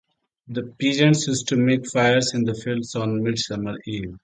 The peasants used to make fires in the fields on Midsummer Eve.